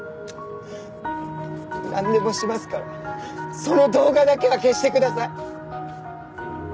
なんでもしますからその動画だけは消してください。